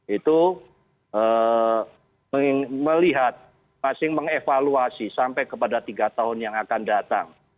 itu melihat masih mengevaluasi sampai kepada tiga tahun yang akan datang